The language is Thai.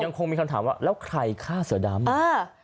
คงมีคำถามว่าแล้วใครฆ่าเสือดำ